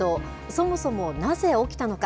そもそもなぜ起きたのか。